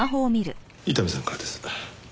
伊丹さんからです。